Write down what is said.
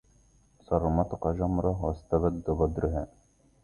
صرمتك جمرة واستبد بدارها